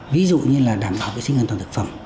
ví dụ như là đảm bảo vệ sinh an toàn thực phẩm